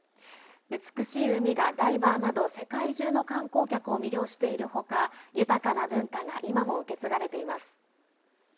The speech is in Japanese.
美しい海がダイバーなど世界中の観光客を魅了している他豊かな文化が今も受け継がれています。